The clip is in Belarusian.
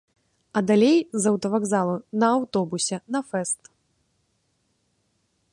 А далей з аўтавакзалу на аўтобусе на фэст.